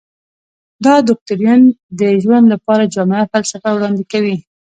دا دوکتورین د ژوند لپاره جامعه فلسفه وړاندې کوي.